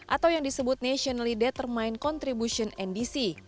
atau yang disebut nationally determined contribution ndc